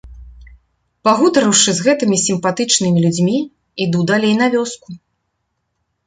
Пагутарыўшы з гэтымі сімпатычнымі людзьмі, іду далей на вёску.